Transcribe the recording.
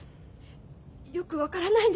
よく分からないんです。